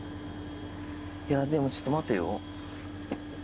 いやでもちょっと待てよ。